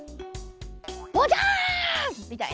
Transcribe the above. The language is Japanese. ボジャン！みたいな。